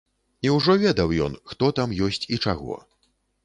І ўжо ведаў ён, хто там ёсць і чаго.